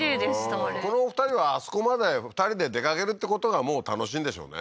あれこのお二人はあそこまで２人で出かけるってことがもう楽しいんでしょうね